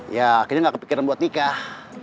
ya akhirnya nggak kepikiran buat nikah